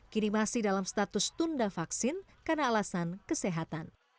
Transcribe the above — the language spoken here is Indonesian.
kini masih dalam status tunda vaksin karena alasan kesehatan